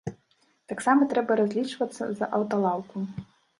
Таксама трэба разлічвацца за аўталаўку.